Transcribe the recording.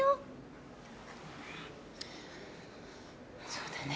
そうだね。